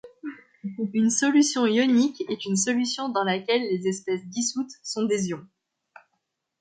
Une solution ionique est une solution dans laquelle les espèces dissoutes sont des ions.